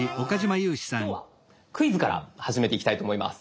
今日はクイズから始めていきたいと思います。